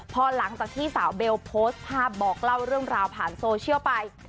พอหลังจากที่สาวเบลโพสต์ภาพบอกเล่าเรื่องราวผ่านโซเชียลไป